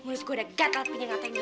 mulus gua udah gak kaga punya ngatain dia